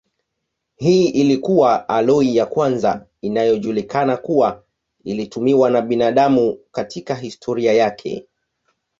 Hii ilikuwa aloi ya kwanza inayojulikana kuwa ilitumiwa na binadamu katika historia yake.